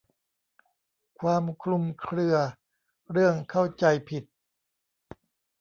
ความคลุมเครือเรื่องเข้าใจผิด